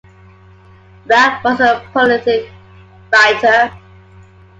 Wragg was a prolific writer.